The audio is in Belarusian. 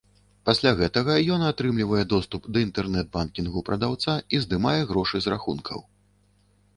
Пасля гэтага ён атрымлівае доступ да інтэрнэт-банкінгу прадаўца і здымае грошы з рахункаў.